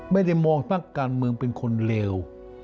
ไม่ได้มองพักการเมืองเป็นคนเลว